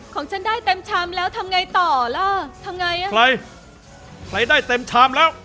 ของฉันได้เต็มชามแล้วทำไงต่อล่ะทำไงอ่ะใครใครได้เต็มชามแล้ว